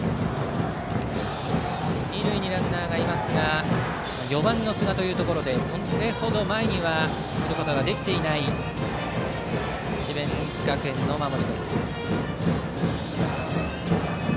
二塁にランナーがいますが４番の寿賀というところでそれ程前にくることができていない智弁学園の守りです。